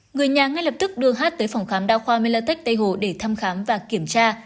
người nhà ngay lập tức đưa hát tới phòng khám đa khoa melatech tây hồ để thăm khám và kiểm tra